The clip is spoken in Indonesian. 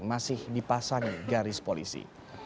masih dipasang garis polisi